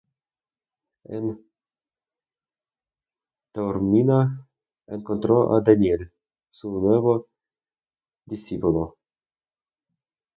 En Taormina encontró a Daniel, su nuevo discípulo.